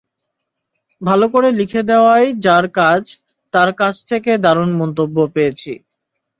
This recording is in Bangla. ভালো করে লিখে দেওয়ায় যাঁর কাজ, তাঁর কাছ থেকে দারুণ মন্তব্য পেয়েছি।